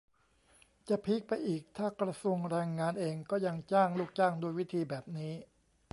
จะพีคไปอีกถ้ากระทรวงแรงงานเองก็ยังจ้างลูกจ้างด้วยวิธีแบบนี้